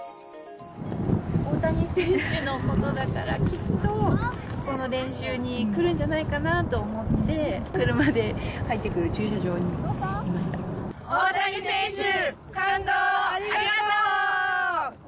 大谷選手のことだから、きっと、この練習に来るんじゃないかなと思って、車で入ってくる駐車場に大谷選手、感動をありがとう。